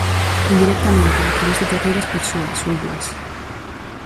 Indirectamente, a través de terceiras persoas, hóuboas.